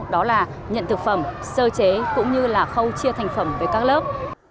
đó là nhận thực phẩm sơ chế cũng như là khâu chia thành phẩm với các lớp